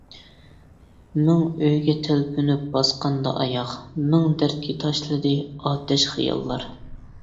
مىڭئۆيگە تەلپۈنۈپ باسقاندا ئاياغ، مىڭ دەردكە تاشلىدى ئاتەش خىياللار.